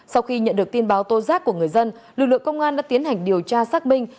sau khi nhận được tin báo tô giác của người dân lực lượng công an đã tiến hành điều tra xác minh